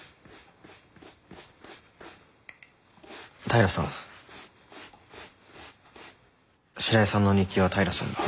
平さん白井さんの日記は平さんが。